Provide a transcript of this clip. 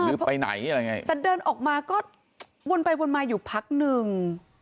หรือไปไหนอะไรไงแต่เดินออกมาก็วนไปวนมาอยู่พักหนึ่ง